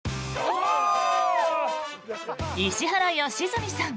石原良純さん